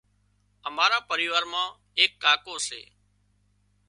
امارا پريوار مان ايڪ ڪاڪو سي